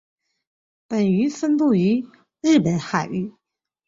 本鱼分布于日本海域。